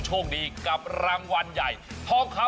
พรุ่งนี้๕สิงหาคมจะเป็นของใคร